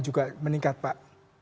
juga meningkat pak